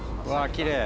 きれい。